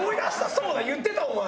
そうだ言ってたお前。